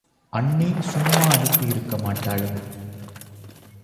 அண்ணி சும்மா அனுப்பி யிருக்க மாட்டாளே!